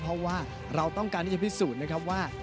เพราะว่าเราต้องการที่จะพิสูจน์นะครับว่า